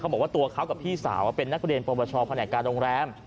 เขาบอกว่าตัวเขากับพี่สาวเป็นนักเรียนประวัติศาสตร์แผนการโรงแรม